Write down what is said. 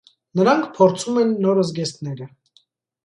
Նրանք փորձում են նոր զգեստները։